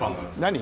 何？